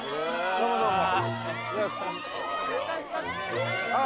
どうもどうも。